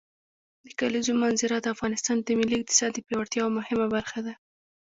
د کلیزو منظره د افغانستان د ملي اقتصاد د پیاوړتیا یوه مهمه برخه ده.